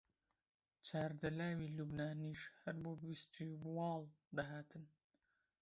چاردە لاوی لوبنانیش هەر بۆ فستیواڵ دەهاتن